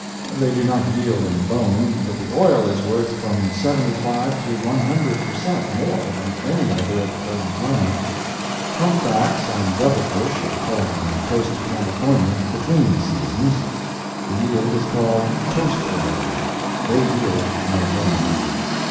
They do not yield any bone, but the oil is worth from 75 to 100 per cent. more than any other at the present time. Humpbacks and devil fish are caught on the coast of California, "between seasons." The yield is called "coast oil." They yield no bone.